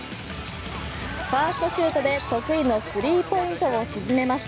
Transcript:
ファーストシュートで得意のスリーポイントを沈めます。